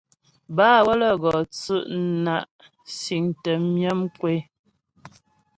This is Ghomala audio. Bâ wə́lə́ gɔ tsʉ' na' siŋtə myə mkwé.